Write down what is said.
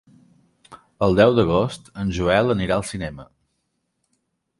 El deu d'agost en Joel anirà al cinema.